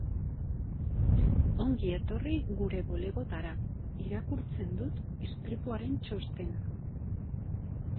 Ongi etorri gure bulegotara, irakurtzen dut istripuaren txostena.